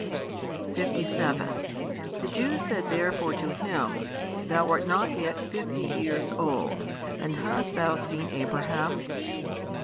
57 The Jews said therefore to Him, Thou art not yet fifty years old, and hast Thou seen Abraham?